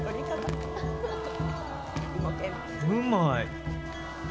うまい。